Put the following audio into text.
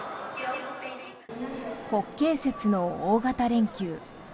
国慶節の大型連休。